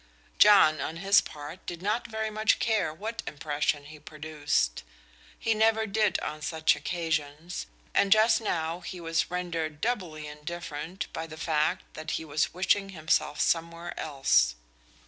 John, on his part, did not very much care what impression he produced. He never did on such occasions, and just now he was rendered doubly indifferent by the fact that he was wishing himself somewhere else.